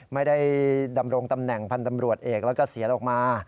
ไม่ได้ดำรงตำแหน่งพันธ์ตำรวจเอกแล้วก็เสียออกมา